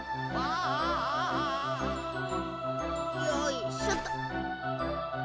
よいしょっと！